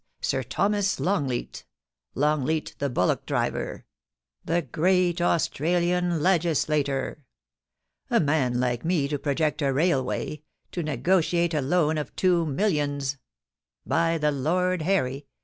.. Sir Thomas Longleat — Longleat the bullock driver — the — the great Australian legislator. A man like me to project a railway — to negotiate a loan of two millions. By the Lord Harry